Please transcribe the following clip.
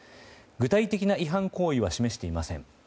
具体的な違反行為は示していません。